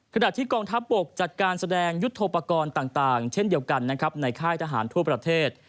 ขณะที่กองทัพบกจัดการแสดงยุทธโปรกรณ์ต่างเช่นเดียวกันนะครับในค่ายทหารทั่วประเทศ